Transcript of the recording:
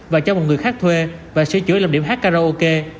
và cho một người khác thuê và sửa chữa làm điểm hát karaoke